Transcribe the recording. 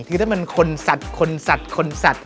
คือถ้ามันคนสัตว์คนสัตว์คนสัตว